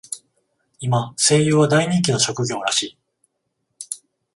今、声優は大人気の職業らしい。